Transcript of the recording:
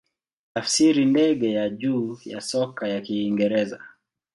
Tafsiri ndege ya juu ya soka ya Kiingereza.